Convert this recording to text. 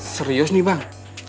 serius nih bang